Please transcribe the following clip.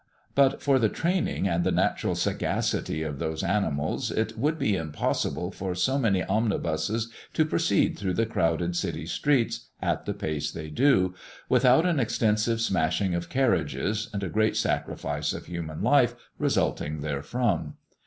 But for the training and the natural sagacity of those animals, it would be impossible for so many omnibuses to proceed through the crowded city streets at the pace they do, without an extensive smashing of carriages, and a great sacrifice of human life resulting therefrom.